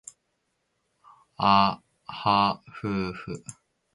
あはふうふ